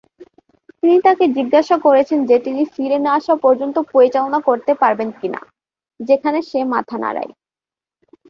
তিনি তাকে জিজ্ঞাসা করেছেন যে তিনি ফিরে না আসা পর্যন্ত পরিচালনা করতে পারবেন কিনা, যেখানে সে মাথা নাড়ায়।